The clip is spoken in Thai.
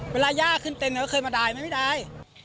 เวลายากขึ้นเต็มเหมือนเขาเคยมาด่ายไม่ได้